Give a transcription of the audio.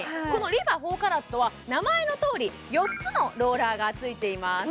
このＲｅＦａ４ＣＡＲＡＴは名前のとおり４つのローラーがついています